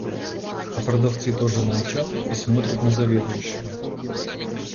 А продавцы тоже молчат и смотрят на заведующего.